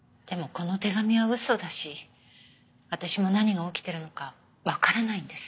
この手紙は嘘だし私も何が起きてるのかわからないんです。